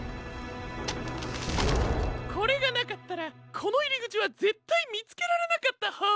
これがなかったらこのいりぐちはぜったいみつけられなかったホォー。